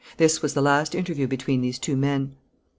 This was the last interview between these two men.